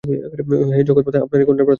হে জগত-মাতা, আপনার এই কন্যার প্রার্থনা শুনুন।